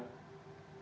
membuat keruh hati